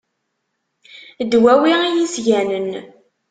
Ddwawi iyi-sganen.